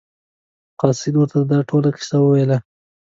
قاصد ورته دا ټوله کیسه وویله.